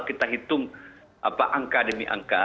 kita hitung angka demi angka